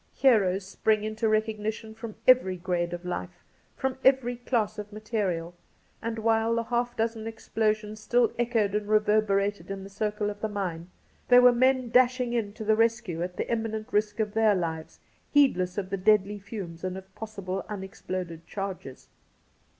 Heroes spring into recognition fi:"om every grade of life, from every class of material ; and while the half dozen explosions still echoed and reverberated in the circle of the mine, there were men dashing in to the rescue at the imminent risk of their lives, heedless of the deadly fumes and of possible unexploded charges.